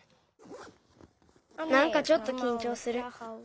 なんかちょっときんちょうする。